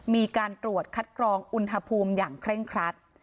มีการตรวจคัดกรองอุณหภูมิอย่างเคร่งครัด